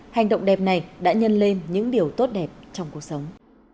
hành động đẹp này đã nhân lên những điều tốt đẹp trong cuộc sống